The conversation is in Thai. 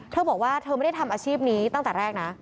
เธอบอกว่าเธอไม่ได้ทำอาชีพนี้ตั้งแต่แรกนะ